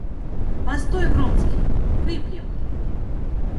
Постой, Вронский, выпьем.